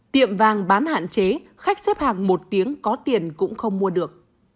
tiệm vàng bán hạn chế khách xếp hàng một tiếng có tiền cũng không mua được